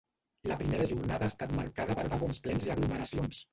La primera jornada ha estat marcada per vagons plens i aglomeracions.